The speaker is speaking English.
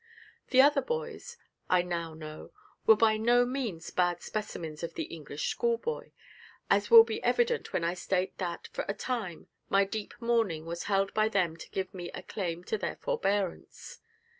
The other boys, I now know, were by no means bad specimens of the English schoolboy, as will be evident when I state that, for a time, my deep mourning was held by them to give me a claim to their forbearance.